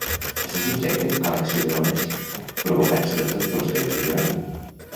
Està subjecte a l'acció de l'onatge, provocat sobretot pels vents de llevant.